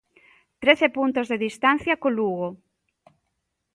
Trece puntos de distancia co Lugo.